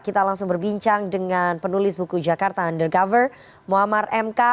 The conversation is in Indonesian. kita langsung berbincang dengan penulis buku jakarta undercover muammar mk